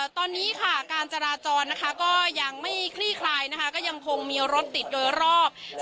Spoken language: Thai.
ตอนนี้การจราจรยังไม่คลี่คลายยังมีรถติดโดยรอบ